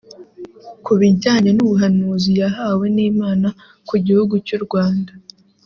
Ku bijyanye n’ubuhanuzi yahawe n’Imana ku gihugu cy’u Rwanda